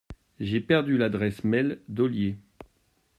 J’ai perdu l’adresse mail d’Olier.